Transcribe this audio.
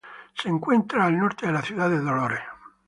Se encuentra al norte de la ciudad de Dolores.